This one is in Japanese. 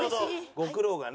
ご苦労がね